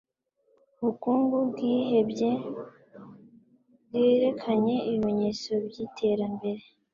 Ubukungu bwihebye bwerekanye ibimenyetso byiterambere.